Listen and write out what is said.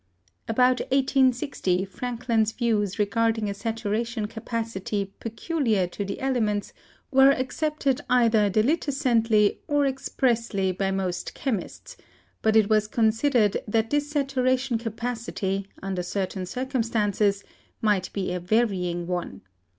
About i860 Frankland's views regarding a saturation capacity peculiar to the elements were accepted either delitescently or expressly by most chemists, but it was considered that this saturation capacity, under certain circumstances, might be a varying one.